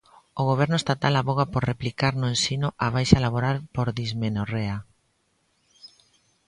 O Goberno estatal avoga por replicar no ensino a baixa laboral por dismenorrea.